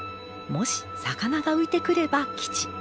もし魚が浮いてくれば吉。